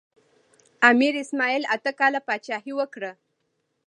امیر اسماعیل اته کاله پاچاهي وکړه.